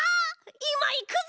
いまいくぞ！